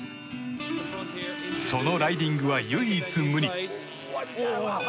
そのライディングは唯一無二。